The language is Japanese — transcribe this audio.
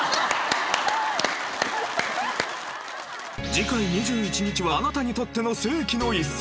次回２１日はあなたにとっての世紀の一戦。